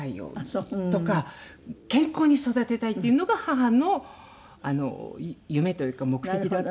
健康に育てたいっていうのが母の夢というか目的だったんです。